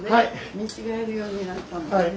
見違えるようになったもんね。